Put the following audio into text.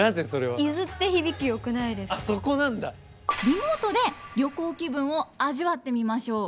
リモートで旅行気分を味わってみましょう！